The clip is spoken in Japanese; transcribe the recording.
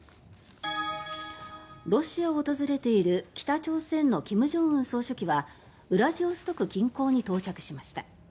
ロシアを訪れている北朝鮮の金正恩総書記はウラジオストク近郊に到着しました。